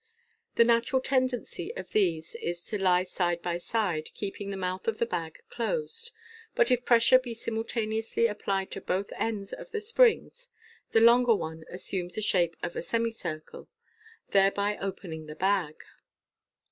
The natural tendency of these is to lie side by side, keeping the mouth of the bag closed j but if pressure be simultaneously applied to both ends of the springs, the longer one assumes the shape of a semicircle, thereby opening the bag.